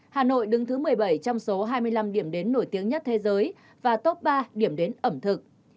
hà nội đứng thứ một mươi bảy trong số hai mươi năm điểm đến nổi tiếng nhất thế giới và top ba điểm đến ẩm thực